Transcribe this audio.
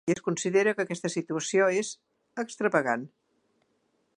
I es considera que aquesta situació és ‘extravagant’.